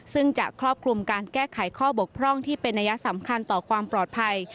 ซึ่งจะครอบคลุมการแก้ไขข้อบกพร่องที่เป็นนัยสำคัญต่อความปลอดภัย